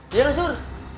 iya lah sur